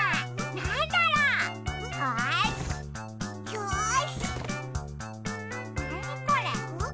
なにこれ？